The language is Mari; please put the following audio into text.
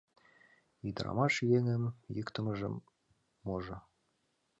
Ӱдырамаш еҥым йӱктымыжӧ-можо...